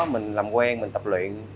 mình làm quen mình tập luyện